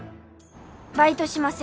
「バイトしませんか？」